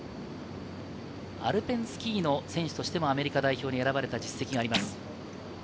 アルペンスキーの選手としてもアメリカ代表に選ばれた実績があります。